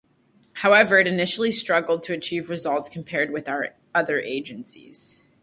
However, it initially struggled to achieve results compared with other agencies.